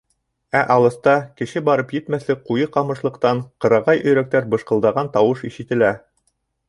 Ә алыҫта кеше барып етмәҫлек ҡуйы ҡамышлыҡтан ҡырағай өйрәктәр быжҡылдаған тауыш ишетелә.